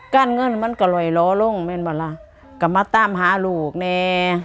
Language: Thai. การเงินมันกล่อยล้อลงเป็นเวลากลับมาตามหาลูกเนี่ย